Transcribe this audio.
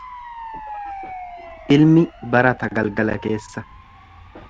Ilmi barata galgala keessa.